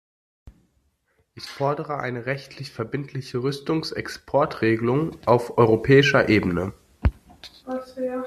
Ich fordere eine rechtlich verbindliche Rüstungsexportregelung auf europäischer Ebene.